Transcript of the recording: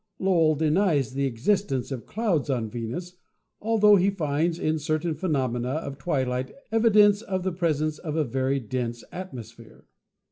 Lowell denies the existence of clouds on Venus, altho he finds in certain phenomena of twilight evidence of the presence of a very dense atmosphere.